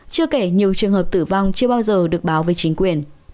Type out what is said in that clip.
chưa kể nhiều trường hợp tử vong chưa bao giờ được báo với chính quyền